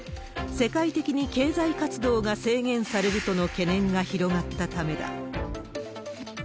世界的に経済活動が制限されるとの懸念が広がったためだ。